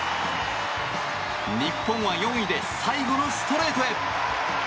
日本は４位で最後のストレートへ。